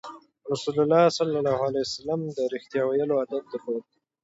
رسول الله ﷺ د رښتیا ویلو عادت درلود.